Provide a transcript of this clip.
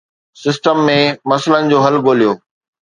System ۾ مسئلن جو حل ڳوليو.